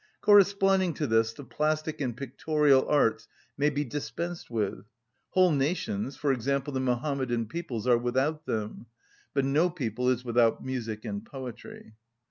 Corresponding to this, the plastic and pictorial arts may be dispensed with; whole nations—for example, the Mohammedan peoples—are without them, but no people is without music and poetry.